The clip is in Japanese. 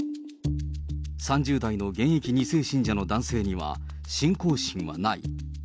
３０代の現役２世信者の男性には、信仰心はない。